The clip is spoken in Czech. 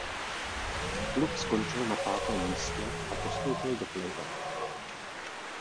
Klub skončil na pátém místě a postoupil do playoff.